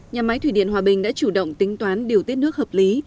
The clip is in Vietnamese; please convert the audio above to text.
nhà máy thủy điện hòa bình đã chủ động tính toán điều tiết nước hợp lý